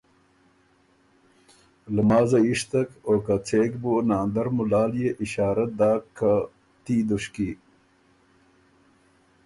لمازه یِشتک او که څېک بُو ناندر مُلال يې اشارۀ داک که ”تي دُشکی“